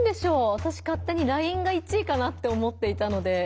わたし勝手にＬＩＮＥが１位かなって思っていたので。